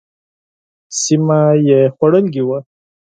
سیمه خوړلې وه.